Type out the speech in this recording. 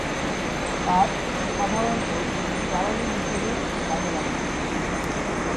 কাঠ সাধারণত জ্বালানি হিসেবেই কাজে লাগে।